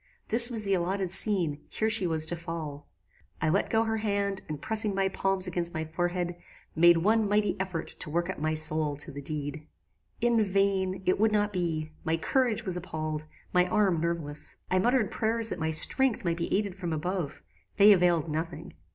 This was the allotted scene: here she was to fall. I let go her hand, and pressing my palms against my forehead, made one mighty effort to work up my soul to the deed. "In vain; it would not be; my courage was appalled; my arms nerveless: I muttered prayers that my strength might be aided from above. They availed nothing.